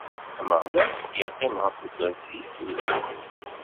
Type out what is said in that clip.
Ameɣlal iqqim ɣef ukersi-s n leḥkem.